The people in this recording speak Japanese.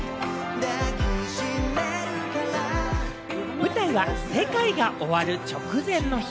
舞台は世界が終わる直前の日。